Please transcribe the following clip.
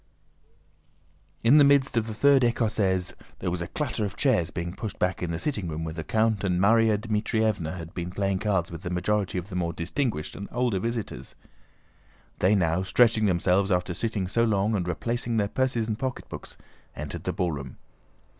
In the midst of the third écossaise there was a clatter of chairs being pushed back in the sitting room where the count and Márya Dmítrievna had been playing cards with the majority of the more distinguished and older visitors. They now, stretching themselves after sitting so long, and replacing their purses and pocketbooks, entered the ballroom.